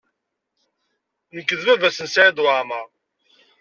Nekk d baba-s n Saɛid Waɛmaṛ.